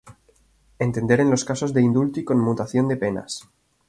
Entender en los casos de indulto y conmutación de penas.